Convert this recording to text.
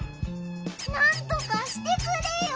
なんとかしてくれよ！